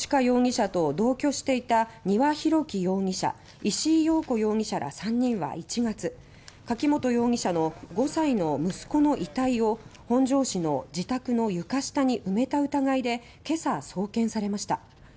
容疑者と同居していた丹羽洋樹容疑者石井陽子容疑者ら３人は１月、柿本容疑者の５歳の息子の遺体を本庄市の自宅の床下に埋めた疑いで今朝、送検されました。